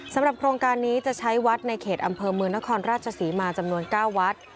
โครงการนี้จะใช้วัดในเขตอำเภอเมืองนครราชศรีมาจำนวน๙วัด